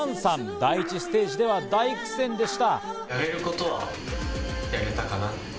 第１ステージでは大苦戦でした。